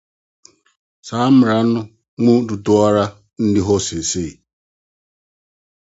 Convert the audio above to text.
Saa mmara no mu dodow no ara nni hɔ seesei.